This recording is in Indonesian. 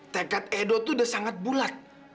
tekad edo itu sudah sangat bulat